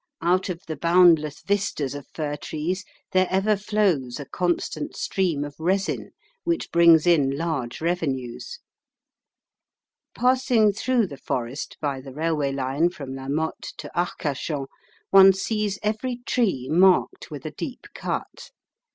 Out of the boundless vistas of fir trees there ever flows a constant stream of resin, which brings in large revenues. Passing through the forest by the railway line from La Mothe to Arcachon, one sees every tree marked with a deep cut.